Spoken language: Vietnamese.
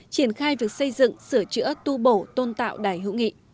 triển khai việc xây dựng sửa chữa tu bổ tôn tạo đài hữu nghị